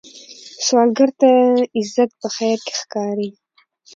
سوالګر ته عزت په خیر کې ښکاري